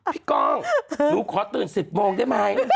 กล้องหนูขอตื่น๑๐โมงได้ไหม